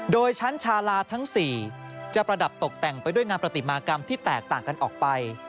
โดยชั้นชาลาทั้ง๔จะประดับตกแต่งไปด้วยงานปฏิมากรรมที่แตกต่างกันออกไป